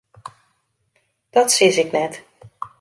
Dat sis ik net.